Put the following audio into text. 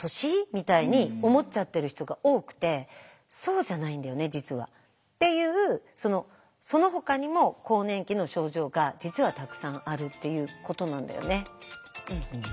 みたいに思っちゃってる人が多くて「そうじゃないんだよね実は」っていうそのほかにも更年期の症状が実はたくさんあるっていうことなんだよね。